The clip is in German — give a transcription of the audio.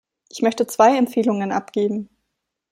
Ich möchte zwei Empfehlungen abgeben.